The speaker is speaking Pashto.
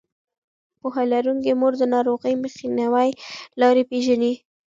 پوهه لرونکې مور د ناروغۍ مخنیوي لارې پېژني.